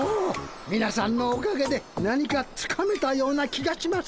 みなさんのおかげで何かつかめたような気がします。